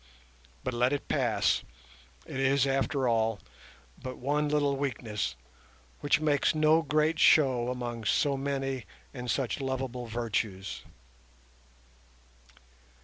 But let it pass; it is, after all, but one little weakness, which makes no great show among so many and such lovable virtues.